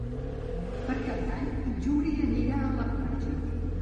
Per Cap d'Any en Juli anirà a la platja.